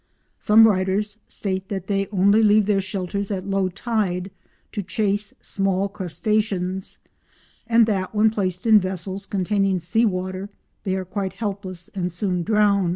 Some writers state that they only leave their shelters at low tide to chase small crustaceans, and that when placed in vessels containing sea water they are quite helpless and soon drown.